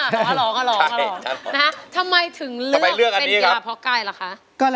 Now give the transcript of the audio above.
อ๋อหรอทำไมถึงเลือกเป็นกีฬาพอกายล่ะคะ